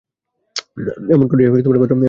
এমনি করিয়াই কথাটা পাড়া হইল।